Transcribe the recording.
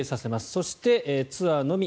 そして、ツアーのみ。